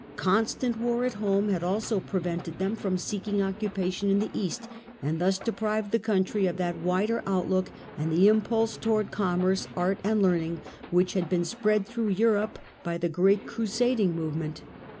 Constant war at home had also prevented them from seeking occupation in the East, and thus deprived the country of that wider outlook and the impulse towards commerce, art and learning which had been spread through Europe by the great Crusading movement.